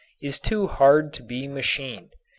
is too hard to be machined.